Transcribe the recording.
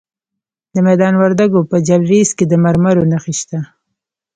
د میدان وردګو په جلریز کې د مرمرو نښې شته.